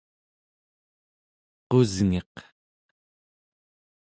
qusngiq